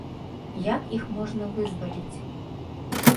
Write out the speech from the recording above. Як іх можна вызваліць?